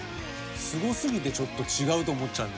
すごすぎてちょっと違うと思っちゃう。